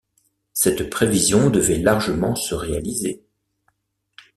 Cette prévision devait largement se réaliser.